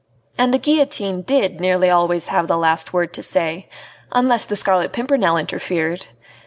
And the guillotine did nearly always have the last word to say, unless the Scarlet Pimpernel interfered.